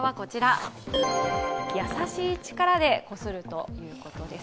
優しい力でこするということです。